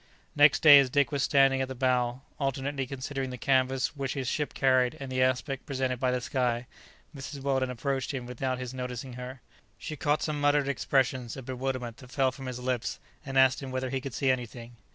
Next day as Dick was standing at the bow, alternately considering the canvas which his ship carried and the aspect presented by the sky, Mrs. Weldon approached him without his noticing her. She caught some muttered expressions of bewilderment that fell from his lips, and asked him whether he could see anything.